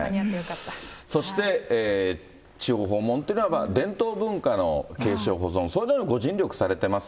そして、地方訪問というのは、伝統文化の継承・保存、そのためにご尽力されてます。